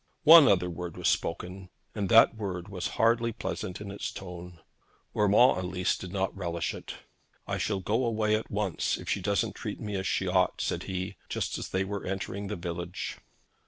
One other word was spoken, and that word was hardly pleasant in its tone. Urmand at least did not relish it. 'I shall go away at once if she doesn't treat me as she ought,' said he, just as they were entering the village.